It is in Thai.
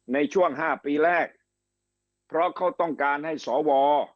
ในช่วง๕ปีแรกเพราะเขาต้องการให้สว